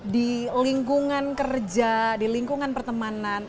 di lingkungan kerja di lingkungan pertemanan